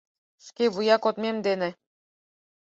Шкевуя кодмем дене